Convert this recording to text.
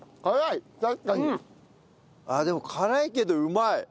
あっでも辛いけどうまい。